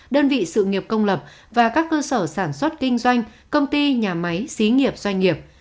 đơn vị sự nghiệp công lập và các cơ sở sản xuất kinh doanh công ty nhà máy xí nghiệp doanh nghiệp